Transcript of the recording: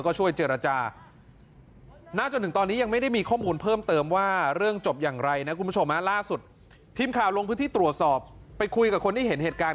ตรวจสอบเพื่อจะไปคุยกับคนที่เห็นเหตุการณ์